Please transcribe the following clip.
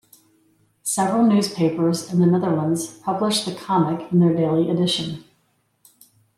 Several newspapers in the Netherlands publish the comic in their daily edition.